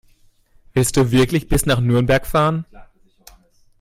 Willst du wirklich bis nach Nürnberg fahren?